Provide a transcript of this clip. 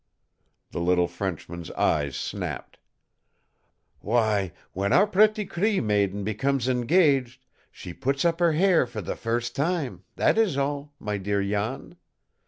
The little Frenchman's eyes snapped. "Why, when our pretty Cree maiden becomes engaged, she puts up her hair for the first time, that is all, my dear Jan.